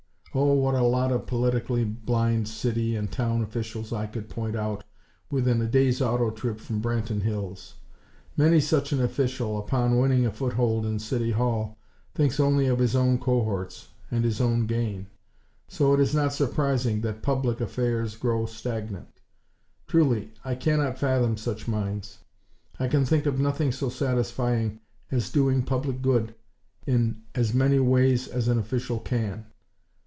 Oh, what a lot of politically blind city and town officials I could point out within a day's auto trip from Branton Hills! Many such an official, upon winning a foothold in City Hall, thinks only of his own cohorts, and his own gain. So it is not surprising that public affairs grow stagnant. Truly, I cannot fathom such minds! I can think of nothing so satisfying as doing public good in as many ways as an official can.